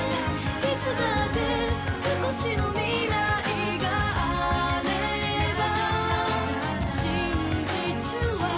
「いつだって少しの未来があれば」